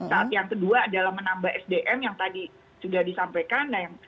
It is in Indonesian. saat yang kedua adalah menambah sdm yang tadi sudah disampaikan